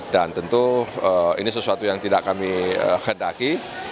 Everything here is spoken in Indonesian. dan tentu ini sesuatu yang tidak kami hendaki